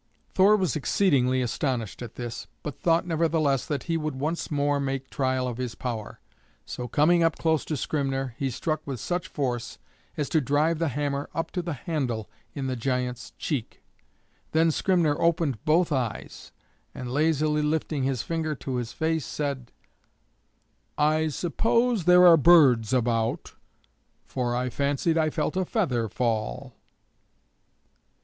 Thor was exceedingly astonished at this, but thought nevertheless that he would once more make trial of his power; so coming up close to Skrymner he struck with such force as to drive the hammer up to the handle in the giant's cheek. Then Skrymner opened both eyes, and lazily lifting his finger to his face said, "I suppose there are birds about, for I fancied I felt a feather fall."